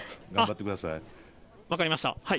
分かりました。